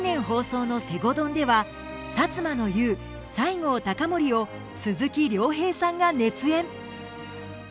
放送の「西郷どん」では摩の雄西郷隆盛を鈴木亮平さんが熱演。